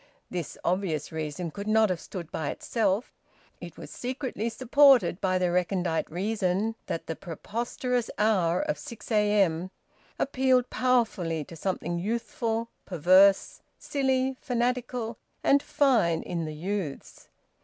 This obvious reason could not have stood by itself; it was secretly supported by the recondite reason that the preposterous hour of 6 a.m. appealed powerfully to something youthful, perverse, silly, fanatical, and fine in the youths.